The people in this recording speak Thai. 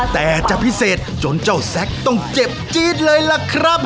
แต่จะพิเศษจนเจ้าแซคต้องเจ็บจี๊ดเลยล่ะครับ